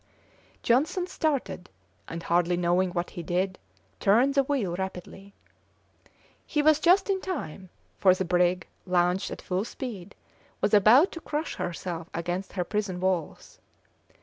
Johnson started, and, hardly knowing what he did, turned the wheel rapidly. He was just in time, for the brig, launched at full speed, was about to crush herself against her prison walls.